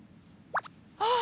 あっ！